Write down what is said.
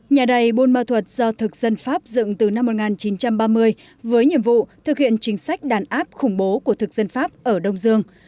nhà đầy buôn ma thuật do thực dân pháp dựng từ năm một nghìn chín trăm ba mươi với nhiệm vụ thực hiện chính sách đàn áp khủng bố của thực dân pháp ở đông dương